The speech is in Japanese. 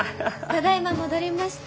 ただいま戻りました。